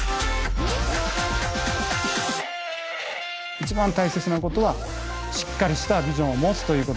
一番大切なことはしっかりしたビジョンを持つということです。